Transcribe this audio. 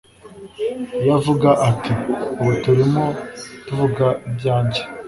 iyo avuga ati ubu turimo tuvuga ibyanjye